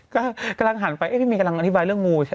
กำลังหันไปพี่มีกำลังอธิบายเรื่องงู